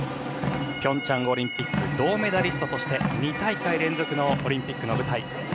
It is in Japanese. ピョンチャンオリンピック銅メダリストとして２大会連続のオリンピックの舞台。